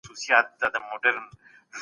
رښتيني انسان د خپل نفس پاکي ساتله.